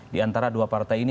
diantara dua partai ini